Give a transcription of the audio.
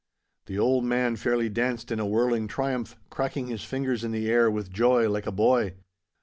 The old man fairly danced in a whirling triumph, cracking his fingers in the air with joy like a boy.